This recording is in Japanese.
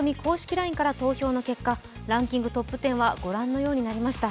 ＬＩＮＥから投票の結果、ランキングトップ１０はご覧のようになりました。